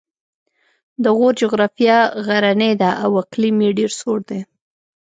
د غور جغرافیه غرنۍ ده او اقلیم یې ډېر سوړ دی